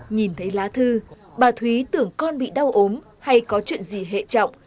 nhìn thấy lá thư bà thúy tưởng con bị đau ốm hay có chuyện gì hệ trọng